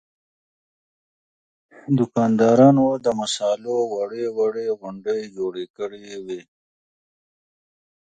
دوکاندارانو د مصالحو وړې وړې غونډۍ جوړې کړې وې.